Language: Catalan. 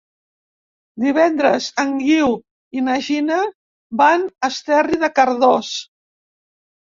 Divendres en Guiu i na Gina van a Esterri de Cardós.